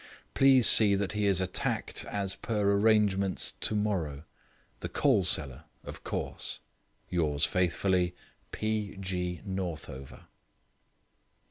Please see that he is attacked as per arrangement tomorrow. The coal cellar, of course. Yours faithfully, P. G. Northover.